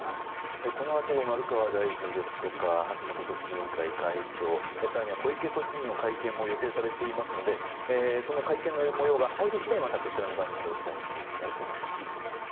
このあと丸川大臣ですとか橋本組織委員会会長更に小池都知事の会見も予定されていますのでその会見の模様が入り次第こちらの番組でお伝えしていきたいと思います。